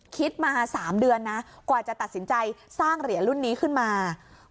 คิดมา๓เดือนนะกว่าจะตัดสินใจสร้างเหรียญรุ่นนี้ขึ้นมา